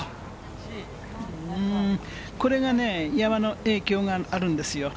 これが山の影響があるんですよ。